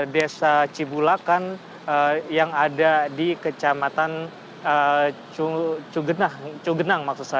desa cibulakan yang ada di kecamatan cugenang